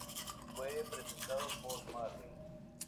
Fue presentado por Marley.